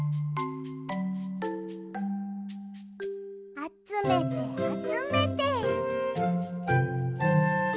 あつめてあつめて。